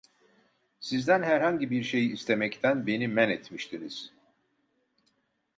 Sizden herhangi bir şey istemekten beni menetmiştiniz!